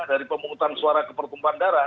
dari pemungutan suara ke pertumpahan darah